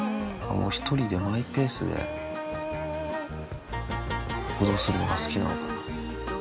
１人でマイペースで行動するのが好きなのかな。